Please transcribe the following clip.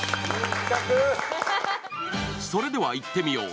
それではいってみよう。